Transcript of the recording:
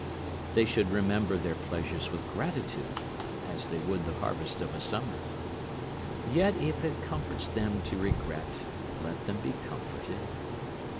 They should remember their pleasures with gratitude, as they would the harvest of a summer. Yet if it comforts them to regret, let them be comforted.